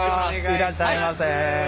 いらっしゃいませ。